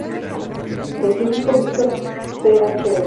El químico Victor Chr.